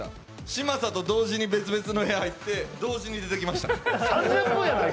嶋佐と同時に別々の部屋に入って同時に出てきました。